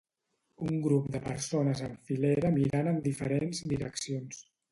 Un grup de persones en filera mirant en diferents direccions.